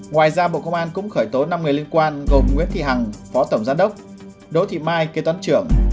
ngoài ra bộ công an cũng khởi tố năm người liên quan gồm nguyễn thị hằng phó tổng giám đốc đỗ thị mai kế toán trưởng